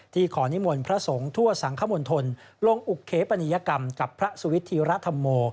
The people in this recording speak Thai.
ที่ขอนิมลพระสงฆ์ทั่วสังคมวลธนลงอุกเคปณียกรรมกับพระสุวิทธิรัฐมโม